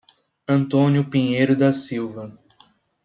Antônio Pinheiro da Silva